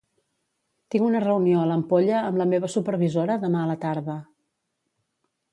Tinc una reunió a l'Ampolla amb la meva supervisora demà a la tarda.